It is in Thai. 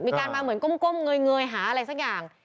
มีการมาเหมือนก้มเงยหาอะไรสักอย่าง